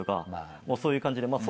そういう感じで。